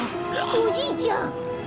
おじいちゃん！